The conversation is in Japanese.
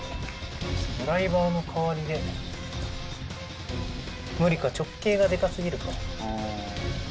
ドライバーの代わりで無理か直径がでかすぎるかあぁ